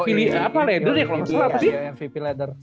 apa leder ya kalau nggak salah tadi iya mvp leder